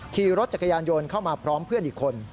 ขี่รถจักรยานยนต์เข้ามาพร้อมเพื่อนอีกคน